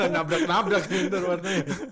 nabrak nabrak ya bentar warnanya